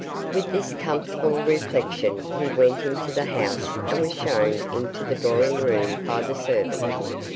With this comfortable reflection he went into the house and was shown into the drawing room by the servant.